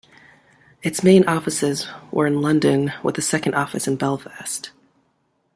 Its main offices were in London, with a second office Belfast.